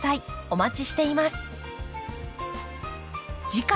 お待ちしています。